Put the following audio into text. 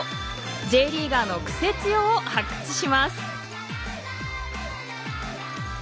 Ｊリーガーのクセつよを発掘します。